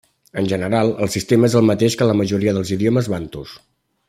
En general, el sistema és el mateix que en la majoria dels idiomes bantus.